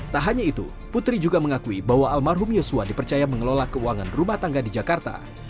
tak hanya itu putri juga mengakui bahwa almarhum yosua dipercaya mengelola keuangan rumah tangga di jakarta